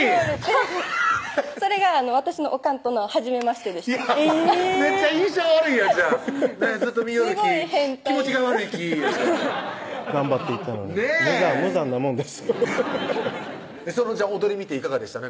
ハハハそれが私のおかんとのはじめましてでしためっちゃ印象悪いやんじゃあ「ずっと見よるき気持ちが悪いき」頑張って行ったのに無残なもんですその踊り見ていかがでした？